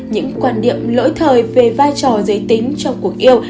những quan điểm lỗi thời về vai trò giới tính trong cuộc yêu